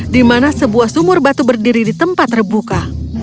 di mana sebuah sumur batu berdiri di tempat terbuka